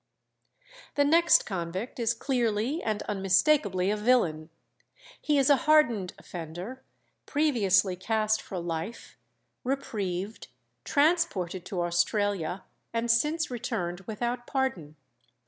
The next convict is clearly and unmistakably a villain. He is a hardened offender, previously cast for life, reprieved, transported to Australia, and since returned without pardon.